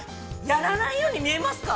◆やらないように見えますか。